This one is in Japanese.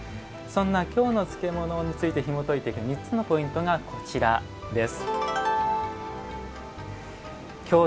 「京の漬物」についてひもといていく３つのポイントがこちらです。